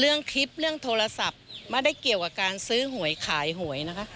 เรื่องคลิปเรื่องโทรศัพท์ไม่ได้เกี่ยวกับการซื้อหวยขายหวยนะคะ